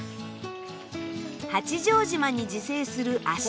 八丈島に自生する明日葉。